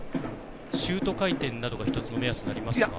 シュート回転などが１つの目安になりますか？